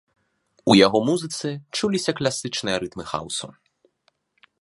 У яго музыцы чуліся класічныя рытмы хаўсу.